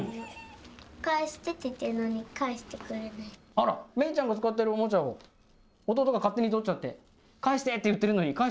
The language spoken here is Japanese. あらめいちゃんが使ってるオモチャを弟が勝手に取っちゃって「返して」って言ってるのに返してくれない。